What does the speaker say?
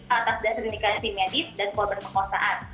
atas dasar indikasi medis dan korban pekosaan